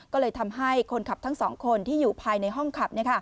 ก็เลยทำให้คนขับทั้งสองคนที่อยู่ภายในห้องขับ